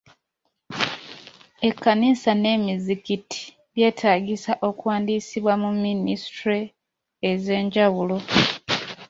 Ekkanisa n'emizikiti byetaagisa okuwandiisibwa mu minisitule ez'enjawulo.